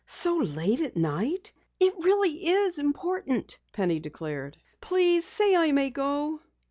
"So late at night?" "It really is important," Penny declared. "Please say I may go."